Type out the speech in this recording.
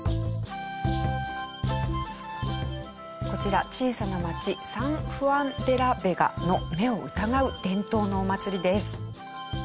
こちら小さな町サン・フアン・デ・ラ・ベガの目を疑う伝統のお祭りです。